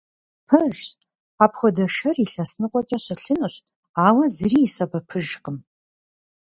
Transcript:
Пэжщ, апхуэдэ шэр илъэс ныкъуэкӀэ щылъынущ, ауэ зыри и сэбэпыжкъым.